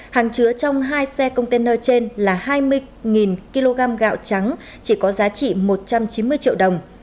hàng chứa trong hai xe container trên là hai mươi kg gạo trắng chỉ có giá trị một trăm chín mươi triệu đồng